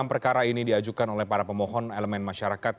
enam perkara ini diajukan oleh para pemohon elemen masyarakat